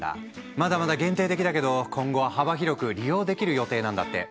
まだまだ限定的だけど今後は幅広く利用できる予定なんだって。